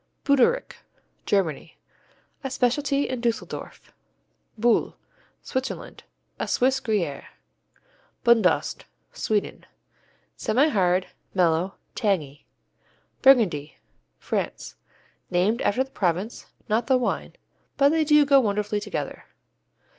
Buderich Germany A specialty in Dusseldorf. Bulle Switzerland A Swiss Gruyère. Bundost Sweden Semihard; mellow; tangy. Burgundy France Named after the province, not the wine, but they go wonderfully together.